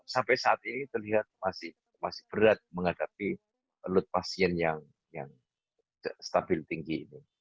sampai saat ini terlihat masih berat mengadapi lot pasien yang stabil tinggi